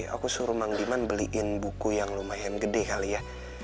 aku suruh mang diman beliin buku yang lumayan gede kali ya